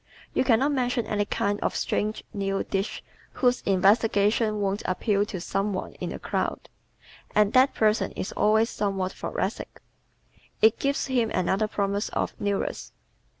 You can not mention any kind of strange new dish whose investigation won't appeal to some one in the crowd, and that person is always somewhat thoracic. It gives him another promise of "newness."